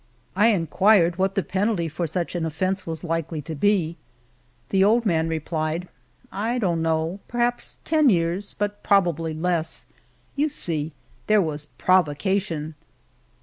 I inquired what the penalty for such an offence was likely to be. The old man replied :I don't know ; per haps ten years, but probably less. You see there was provocation